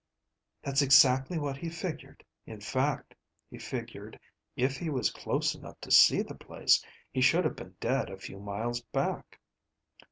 "That's exactly what he figured. In fact, he figured if he was close enough to see the place, he should have been dead a few miles back.